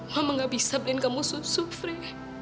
mama gak bisa beliin kamu susu frey